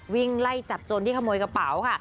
วิ่งไล่จับโจรที่ขโมยกระเป๋าค่ะ